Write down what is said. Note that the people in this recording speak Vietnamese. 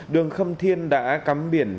đường khâm thiên đã cấm biển